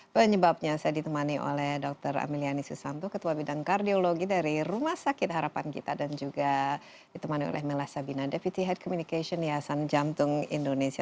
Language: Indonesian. penyebabnya saya ditemani oleh dr amelia nisusanto ketua bidang kardiologi dari rumah sakit harapan gita dan juga ditemani oleh mela sabinade vt head communication niasan jantung indonesia